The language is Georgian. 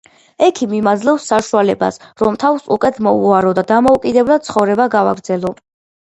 ექიმი მაძლევს საშუალებას, რომ თავს უკეთ მოვუარო და დამოუკიდებლად ცხოვრება გავაგრძელო.